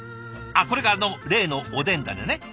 あっこれがあの例のおでんダネね。